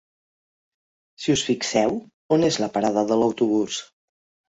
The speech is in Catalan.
Si us fixeu, on és la parada de l'autobús?